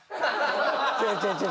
違う違う違う違う。